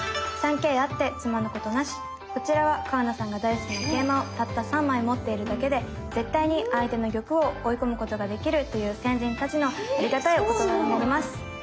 こちらは川名さんが大好きな桂馬をたった３枚持っているだけで絶対に相手の玉を追い込むことができるという先人たちのありがたいお言葉になります。